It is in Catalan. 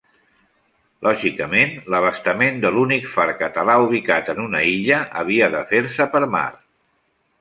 Lògicament, l'abastament de l'únic far català ubicat en una illa havia de fer-se per mar.